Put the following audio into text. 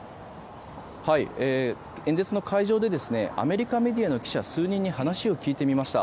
演説の会場でアメリカメディアの記者数人に話を聞いてみました。